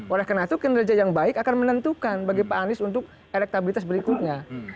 oleh karena itu kinerja yang baik akan menentukan bagi pak anies untuk elektabilitas berikutnya